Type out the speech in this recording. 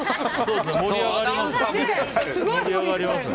盛り上がりますよね。